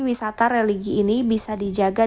wisata religi ini bisa dijaga